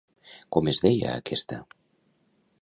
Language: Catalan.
Com es deia aquesta?